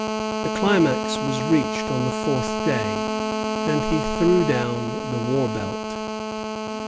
The climax was reached on the fourth day, and he threw down the war belt.